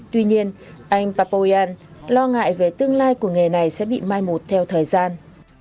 tuy nhiên anh papoyan lo ngại về tương lai của nghề này sẽ bị mai một theo thời gian